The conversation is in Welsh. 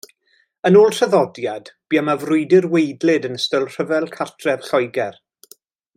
Yn ôl traddodiad bu yma frwydr waedlyd yn ystod Rhyfel Cartref Lloegr.